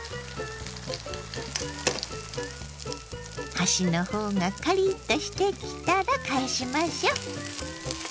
端の方がカリッとしてきたら返しましょ。